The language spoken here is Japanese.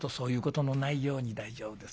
「大丈夫です。